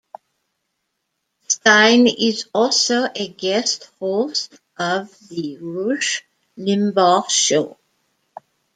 Steyn is also a guest host of "The Rush Limbaugh Show".